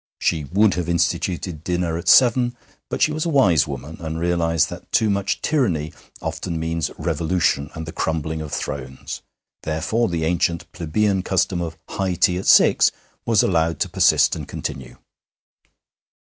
She would have instituted dinner at seven, but she was a wise woman, and realized that too much tyranny often means revolution and the crumbling of thrones; therefore the ancient plebeian custom of high tea at six was allowed to persist and continue.